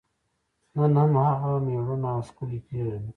نن هم هغه میړونه او ښکلي پېغلې دي.